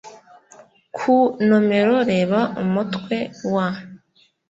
ku nomero Reba Umutwe wa